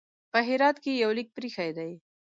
په هرات کې یو لیک پرې ایښی دی.